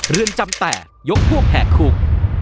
เรือนจำแต่ยกพวกแห่คุก